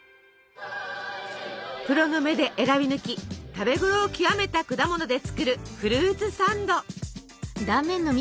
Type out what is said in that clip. プロの目で選び抜き食べごろを極めた果物で作るフルーツサンド。